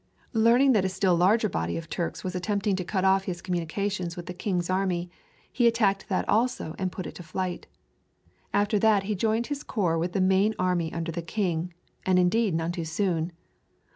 Learning that a still larger body of Turks was attempting to cut off his communications with the king's army he attacked that also and put it to flight. After that he joined his corps with the main army under the king; and indeed none too soon.